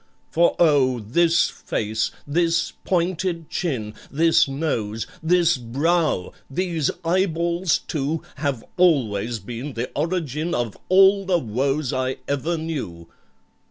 "For, oh! this face—this pointed chin— This nose—this brow—these eyeballs too, Have always been the origin Of all the woes I ever knew!